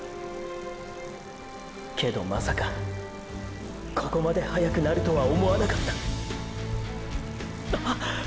けどまさかここまで速くなるとは思わなかった！！っ！！